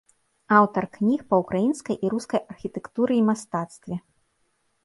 Аўтар кніг па ўкраінскай і рускай архітэктуры і мастацтве.